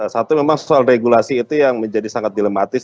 satu memang soal regulasi itu yang menjadi sangat dilematis